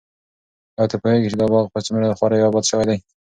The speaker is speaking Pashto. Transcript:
ایا ته پوهېږې چې دا باغ په څومره خواریو اباد شوی دی؟